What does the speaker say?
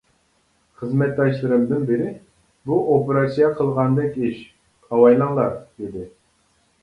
خىزمەتداشلىرىمدىن بىرى:-بۇ ئوپېراتسىيە قىلغاندەك ئىش، ئاۋايلاڭلار، -دېدى.